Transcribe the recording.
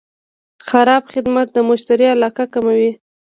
خراب خدمت د مشتری علاقه کموي.